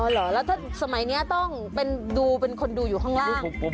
เหรอแล้วถ้าสมัยนี้ต้องดูเป็นคนดูอยู่ข้างล่าง